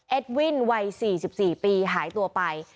เอดวินวัย๔๔ปี